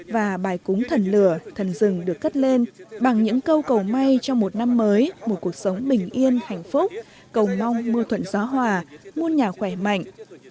và bài cúng thần lửa thần rừng được cất lên bằng những câu cầu may cho một năm mới một cuộc sống bình yên hạnh phúc cầu mong mưa thuận gió hòa muôn nhà khỏe mạnh